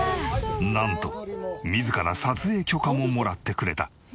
なんと自ら撮影許可ももらってくれた。